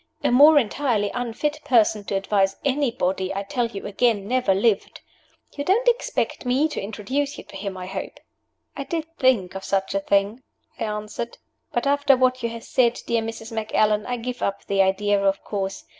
A more entirely unfit person to advise anybody, I tell you again, never lived. You don't expect Me to introduce you to him, I hope?" "I did think of such a thing," I answered. "But after what you have said, dear Mrs. Macallan, I give up the idea, of course.